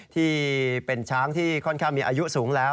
ที่เป็นช้างที่ค่อนข้างมีอายุสูงแล้ว